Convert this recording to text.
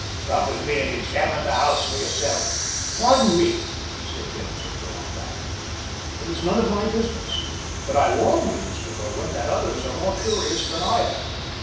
Come with me and examine the house for yourself." "Pardon me," said Denzil, drawing back, "it is none of my business. But I warn you, Mr. Berwin, that others are more curious than I am.